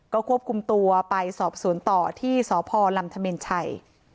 ก็ควบคุมตัวไปสอบสวนต่อที่สพลำธมินชัย